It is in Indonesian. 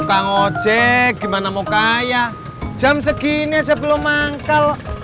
suka ngocek gimana mau kaya jam segini aja belum manggal